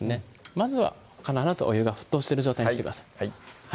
まずは必ずお湯が沸騰してる状態にしてください